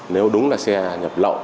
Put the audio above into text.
nếu đúng là xe nhập lậu